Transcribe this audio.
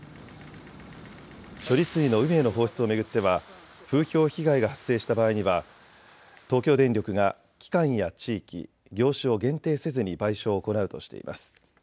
処理水の海への放出を巡っては風評被害が発生した場合には東京電力が期間や地域、業種を限定せずに賠償を行うとしています。